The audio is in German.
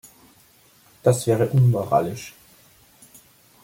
Das wäre unmoralisch.